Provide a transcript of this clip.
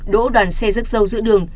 đỗ đoàn xe rớt dâu giữ đường